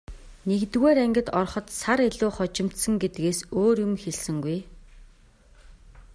Нэгдүгээр ангид ороход сар илүү хожимдсон гэдгээс өөр юм хэлсэнгүй.